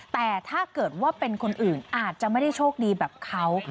แต่ถ้าเกิดว่าเป็นคนอื่นอาจจะไม่ได้โชคดีแบบเขา